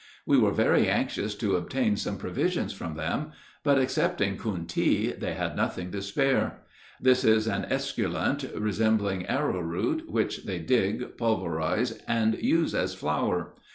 We were very anxious to obtain some provisions from them, but excepting kountee they had nothing to spare. This is an esculent resembling arrowroot, which they dig, pulverize, and use as flour.